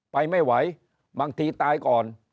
ไปไม่ไหวบางทีตายก่อน